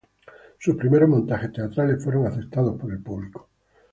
Sus primeros montajes teatrales fueron aceptados por el público.